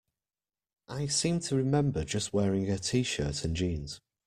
I seem to remember just wearing a t-shirt and jeans.